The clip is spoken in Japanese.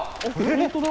本当だ！